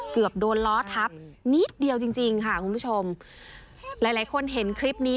เกือบโดนล้อทับนิดเดียวจริงจริงค่ะคุณผู้ชมหลายหลายคนเห็นคลิปนี้